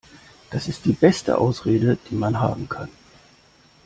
Das ist die beste Ausrede, die man haben kann.